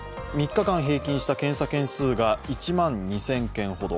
３日間平均した検査件数は１万２０００件ほど。